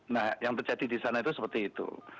nah yang terjadi di sana itu seperti itu